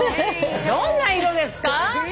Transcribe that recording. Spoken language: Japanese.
どんな色ですか？